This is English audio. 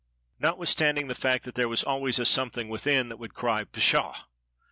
Notwithstanding the fact that there was always a Something Within that would cry "Pshaw!"